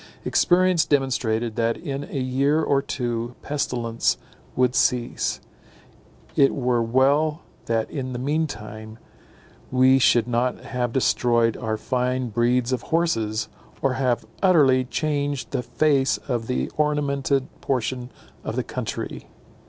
Experience demonstrated that in a year or two pestilence would cease; it were well that in the mean time we should not have destroyed our fine breeds of horses, or have utterly changed the face of the ornamented portion of the country.